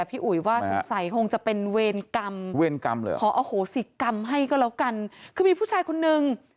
พี่อุ๋ยว่าสิบใสคงจะเป็นเวรกรรมขออโหสิกรรมให้ก็แล้วกันคือมีผู้ชายคนนึง